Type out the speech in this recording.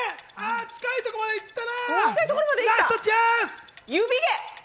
あ、近いところまでいったな。